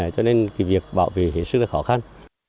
cho nên việc bảo vệ hiển sức khó khăn